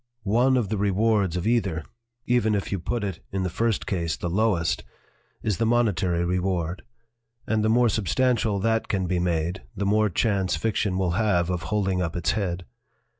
One of the rewards of either even if you put it, in the first case, the lowest is the monetary reward, and the more substantial that can be made, the more chance fiction will have of holding up its head.